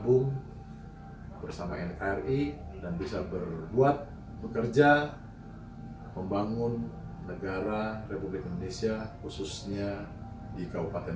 bergabung bersama nkri dan bisa berbuat bekerja membangun negara republik indonesia khususnya di kabupaten